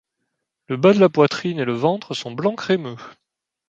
Le bas de la poitrine et le ventre sont blanc crémeux.